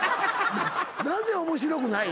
なぜ面白くない？